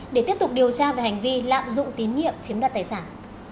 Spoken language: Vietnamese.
để tiếp tục điều tra về hành vi lạm dụng tín nhiệm chiếm đoạt tài sản